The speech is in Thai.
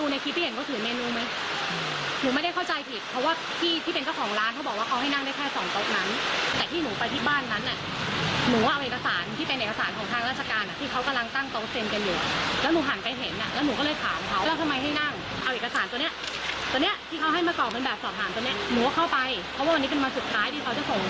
นี่คือินมาสุดท้ายที่เค้าจะส่งแบบฟอร์มแล้วก็หมู่ไปเห็นน่ะพี่